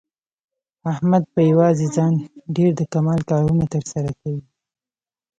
احمد په یووازې ځان ډېر د کمال کارونه تر سره کوي.